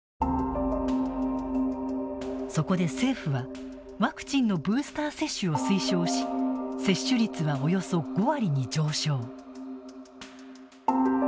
そこで政府は、ワクチンのブースター接種を推奨し接種率は、およそ５割に上昇。